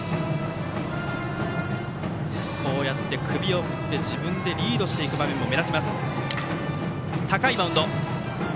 首を振って自分でリードしていく場面も目立ちます、桑江。